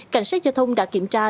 cảnh sát giao thông đã kiểm tra